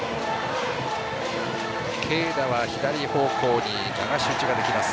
軽打は左方向に流し打ちができます。